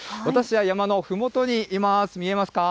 私は山のふもとにいます。